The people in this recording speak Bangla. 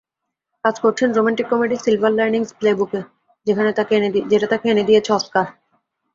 কাজ করেছেন রোমান্টিক কমেডি সিলভার লাইনিংস প্লেবুক-এ, যেটা তাঁকে এনে দিয়েছে অস্কার।